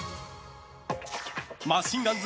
マシンガンズ